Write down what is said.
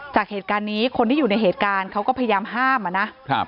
จากเหตุการณ์นี้คนที่อยู่ในเหตุการณ์เขาก็พยายามห้ามอะนะ